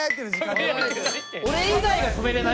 俺以外が止められない？